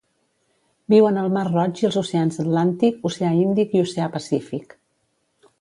Viuen al Mar Roig i als oceans Atlàntic, Oceà Índic i Oceà Pacífic.